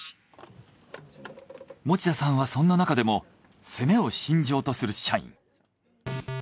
持田さんはそんななかでも攻めを信条とする社員。